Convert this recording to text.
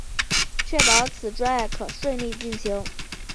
确保此专案可以顺利进行